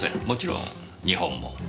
もちろん日本も。